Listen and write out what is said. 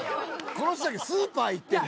この人だけスーパー行ってる。